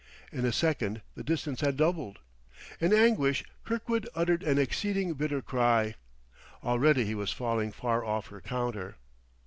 In a second the distance had doubled. In anguish Kirkwood uttered an exceeding bitter cry. Already he was falling far off her counter....